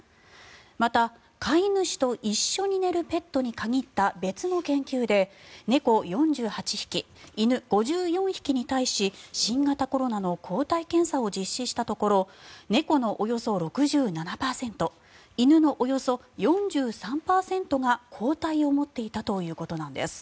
また、飼い主と一緒に寝るペットに限った別の研究で猫４８匹、犬５４匹に対し新型コロナの抗体検査を実施したところ猫のおよそ６７％犬のおよそ４３％が抗体を持っていたということなんです。